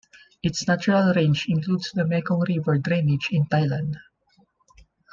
Its natural range includes the Mekong River drainage in Thailand.